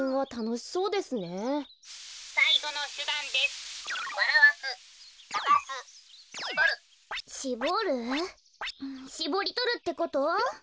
しぼりとるってこと？